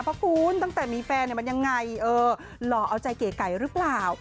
เพราะคุณตั้งแต่มีแฟนมันยังไงเออหล่อเอาใจเก๋ไก่หรือเปล่า